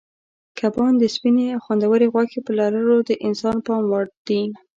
کبان د سپینې او خوندورې غوښې په لرلو د انسان پام وړ دي.